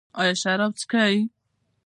ایا شراب څښئ؟